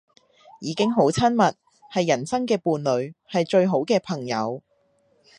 已經好親密，係人生嘅伴侶，係最好嘅朋友